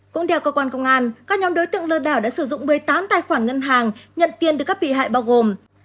cũng theo cơ quan công an các nhóm đối tượng lừa đảo đã sử dụng một mươi tám tài khoản ngân hàng nhận tiền từ các bị hại bao gồm